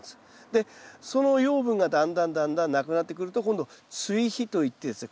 でその養分がだんだんだんだんなくなってくると今度追肥といってですね